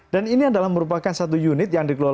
dan ini adalah merupakan satu unit yang dikumpulkan